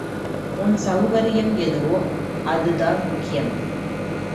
உன் சவுகரியம் எதுவோ அது தான் முக்கியம்.